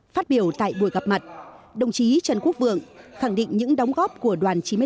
phát biểu tại buổi gặp mặt đồng chí trần quốc vượng khẳng định những đóng góp của đoàn chín mươi hai